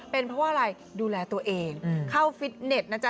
เป็นเพราะว่าอะไรดูแลตัวเองเข้าฟิตเน็ตนะจ๊